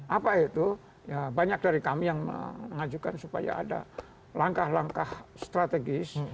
apa itu ya banyak dari kami yang mengajukan supaya ada langkah langkah strategis